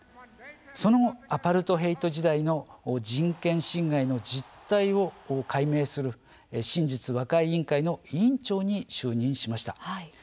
そのアパルトヘイト時代の人権侵害の実態を解明する真実和解委員会の委員長に就任。